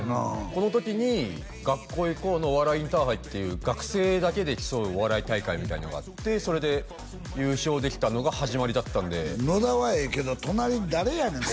この時に「学校へ行こう！」のお笑いインターハイっていう学生だけで競うお笑い大会みたいなのがあってそれで優勝できたのが始まりだったんで野田はええけど隣誰やねん？